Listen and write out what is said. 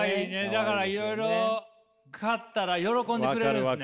だからいろいろ買ったら喜んでくれるんですね。